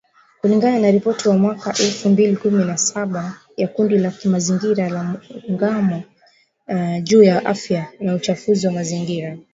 Kulingana na ripoti ya mwaka elfu mbili kumi na saba ya kundi la kimazingira la Muungano juu ya Afya na Uchafuzi wa mazingira